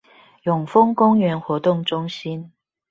永豐公園活動中心